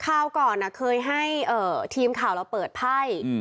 คราวก่อนเคยให้ทีมข่าวเราเปิดไพ่